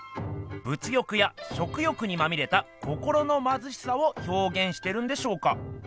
物欲や食欲にまみれた心のまずしさをひょうげんしてるんでしょうか？